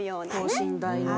等身大の。